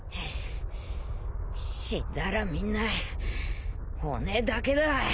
死んだらみんな骨だけだ。